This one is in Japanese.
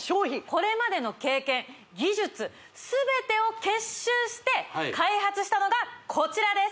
これまでの経験技術すべてを結集して開発したのがこちらです